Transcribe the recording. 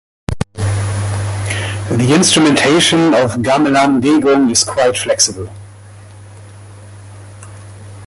The instrumentation of gamelan degung is quite flexible.